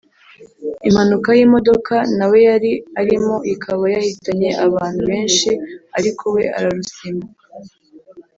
impanuka y’imodoka nawe yari arimo ikaba yahitanye abantu benshi ariko we ararusimbuka